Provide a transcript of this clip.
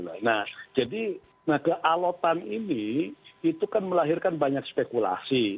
nah jadi kealotan ini itu kan melahirkan banyak spekulasi